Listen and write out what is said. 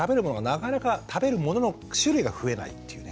なかなか食べるものの種類が増えないっていうね。